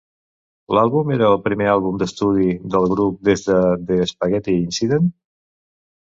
L'àlbum era el primer àlbum d'estudi del grup des de The Spaghetti Incident?